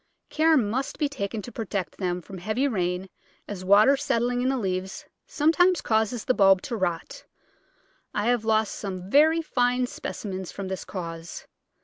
Care must be taken to protect them from heavy rain, as water set tling in the leaves sometimes causes the bulb to rot. I have lost some very fine specimens from this cause.